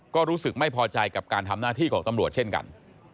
ก็รู้สึกไม่พอใจกับการทำหน้าที่ของตำรวจเช่นกัน